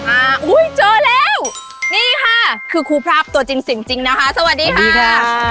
อ่าอุ้ยเจอแล้วนี่ค่ะคือครูภาพตัวจริงจริงจริงนะคะสวัสดีค่ะสวัสดีค่ะ